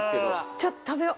ちょっと食べよ